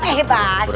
berarti mereka bener